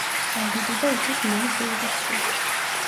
წყალდიდობა იცის მაის-ივლისში.